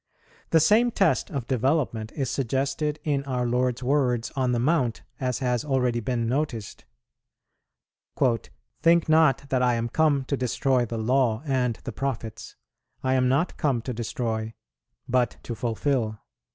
The same test of development is suggested in our Lord's words on the Mount, as has already been noticed, "Think not that I am come to destroy the Law and the Prophets; I am not come to destroy, but to fulfil."